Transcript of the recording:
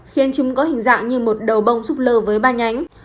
khiến chúng có hình dạng như một đầu bông xúc lờ với ba nhánh